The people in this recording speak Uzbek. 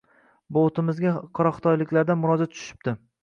Botimizga qoraxitoyliklardan murojaat tushibdi.